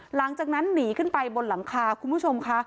หลังจากนั้นหนีขึ้นไปบนหลังคาคุณผู้ชมค่ะ